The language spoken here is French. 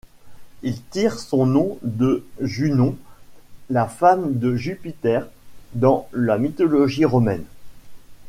Il tire son nom de Junon, la femme de Jupiter dans la mythologie romaine.